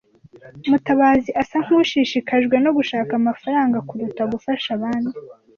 Mutabazi asa nkushishikajwe no gushaka amafaranga kuruta gufasha abandi.